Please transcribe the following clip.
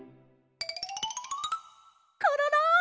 コロロ！